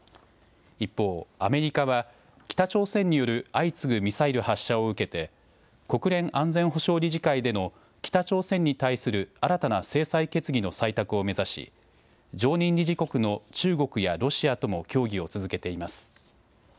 一方、アメリカは北朝鮮による相次ぐミサイル発射を受けて国連安全保障理事会での北朝鮮に対する新たな制裁決議の採択を目指し、常任理事国の中国やロシアとも協議を続けています。